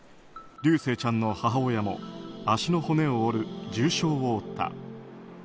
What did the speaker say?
琉正ちゃんの母親も足の骨を折る重傷を負った。